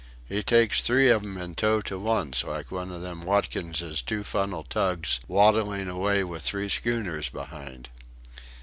"He takes three of 'em in tow to once, like one of 'em Watkinses two funnel tugs waddling away with three schooners behind."